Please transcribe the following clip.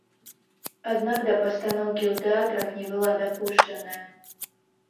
Аднак да пастаноўкі ў тэатрах не была дапушчаная.